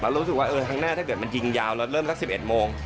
รู้สึกว่าข้างหน้าถ้าเกิดมันยิงยาวเราเริ่มสัก๑๑โมง